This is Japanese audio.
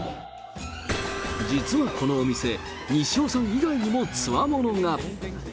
実はこのお店、西尾さん以外にもつわものが。